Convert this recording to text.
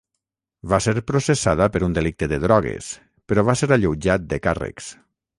Va ser processada per un delicte de drogues, però va ser alleujat de càrrecs.